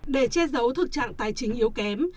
để che giấu thực trạng tài chính yếu kém